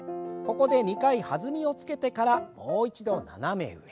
ここで２回弾みをつけてからもう一度斜め上。